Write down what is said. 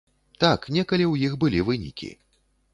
Так, некалі ў іх былі вынікі.